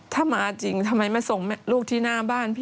ถ้ามาจริงทำไมมาส่งลูกที่หน้าบ้านพี่